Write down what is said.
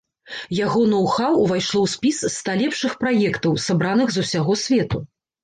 Яго ноу-хау ўвайшло ў спіс ста лепшых праектаў, сабраных з усяго свету.